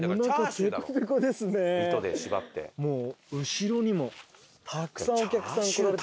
後ろにもたくさんお客さん来られてますよ。